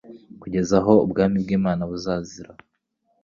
kugeza aho ubwami bw'Imana buzazira.